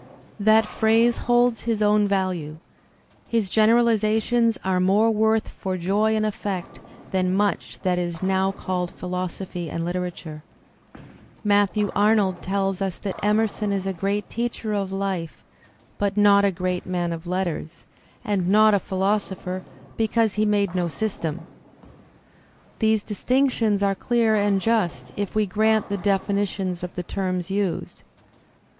That phrase holds his own value. His generalizations are more worth for joy and effect than much that is now called philosophy and Uterature. Matthew Arnold tells us that Emerson is a great teacher of life but not a great man of letters, and not a philosopher because he made no system. These distinctions are clear and just if we grant the definitions of the terms used.